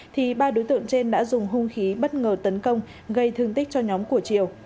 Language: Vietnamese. thì ba đối tượng trên đã dùng hung khí bất ngờ tấn công gây thương tích cho nhóm của triều